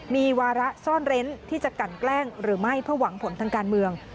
มีวาระซ่อนเร้นที่จะกันแกล้งหรือไม่เพื่อหวังผลทางการเมือง